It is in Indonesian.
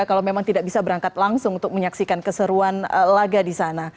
kalau memang tidak bisa berangkat langsung untuk menyaksikan keseruan laga di sana